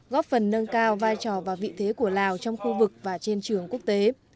góp phần nâng cao vai trò và vị thế của lào trong khu vực và trên trường quốc tế